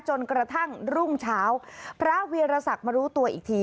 จนกระทั่งรุ่งเช้าพระเวียรศักดิ์มารู้ตัวอีกที